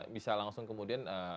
bisa langsung kemudian